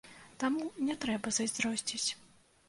Таму не трэба зайздросціць!